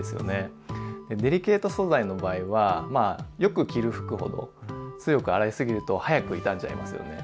デリケート素材の場合はまあよく着る服ほど強く洗いすぎると早く傷んじゃいますよね。